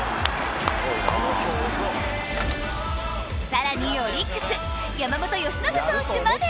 更にオリックス山本由伸投手まで。